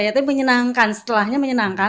yaitu menyenangkan setelahnya menyenangkan